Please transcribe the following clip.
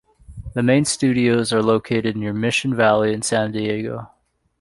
The main studios are located near Mission Valley in San Diego.